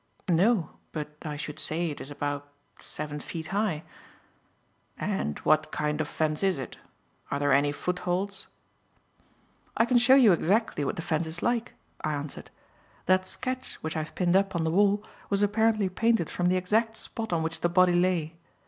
"No, but I should say it is about seven feet high." "And what kind of fence is it? Are there any footholds?" "I can show you exactly what the fence is like," I answered. "That sketch, which I have pinned up on the wall, was apparently painted from the exact spot on which the body lay.